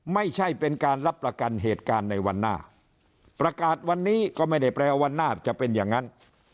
ไม่ใช่เป็นการรับประกันเหตุการณ์ในวันหน้าประกาศวันนี้ก็ไม่ได้แปลว่าหน้าจะเป็นอย่างนั้น